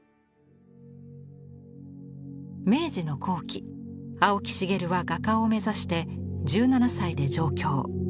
明治の後期青木繁は画家を目指して１７歳で上京。